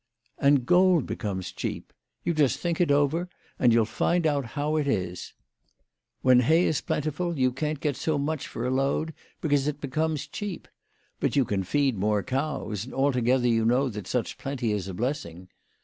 " And gold becomes cheap. You just think it over, and you'll find how it is. When hay is plentiful, you WHY FRAU FROHMANN RAISED HER PRICES. 81 can't get so much for a load because it becomes cheap. But you can feed more cows, and altogether you know that such plenty is a blessing.